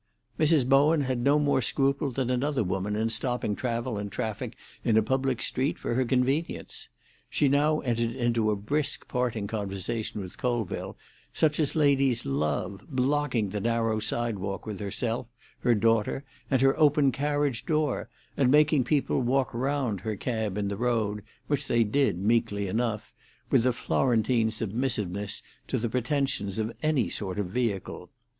Mrs. Bowen had no more scruple than another woman in stopping travel and traffic in a public street for her convenience. She now entered into a brisk parting conversation with Colville, such as ladies love, blocking the narrow sidewalk with herself, her daughter, and her open carriage door, and making people walk round her cab, in the road, which they did meekly enough, with the Florentine submissiveness to the pretensions of any sort of vehicle.